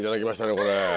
これ。